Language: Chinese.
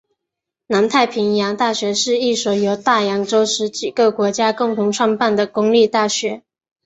南太平洋大学是一所由大洋洲十几个国家共同创办的公立大学。